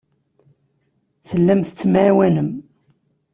Tellam tettemɛawanem.